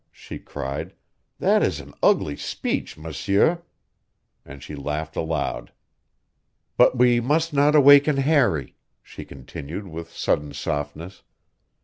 she cried. "That is an ugly speech, monsieur!" And she laughed aloud. "But we must not awaken Harry," she continued with sudden softness.